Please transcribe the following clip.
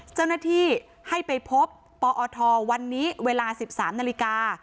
เจ้าหน้าที่ให้ไปพบปอทวันนี้เวลา๑๓นาฬิกา